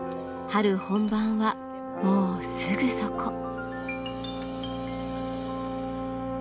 春本番はもうすぐそこ。